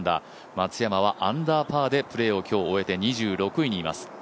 松山はアンダーパーでプレーを今日終えて２６位にいます。